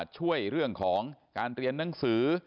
ช่วยเรื่องของการเรียนหนังสือ